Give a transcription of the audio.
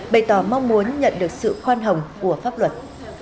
bày tỏ mong muốn nhận được sự khoan hồng của pháp luật